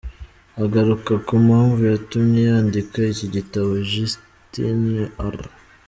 Agaruka ku mpamvu yatumye yandika iki gitabo, Justine R.